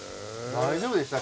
大丈夫でした？